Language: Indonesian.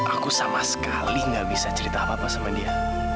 aku sama sekali gak bisa cerita apa apa sama dia